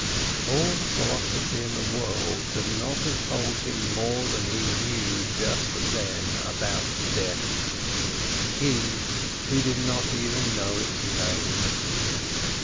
All the philosophy in the world could not have told him more than he knew just then about death—he, who even did not know its name.